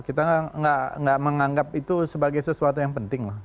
kita nggak menganggap itu sebagai sesuatu yang penting lah